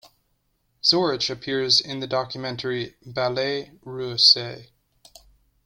Zoritch appears in the documentary "Ballets Russes".